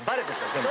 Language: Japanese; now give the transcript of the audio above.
全部。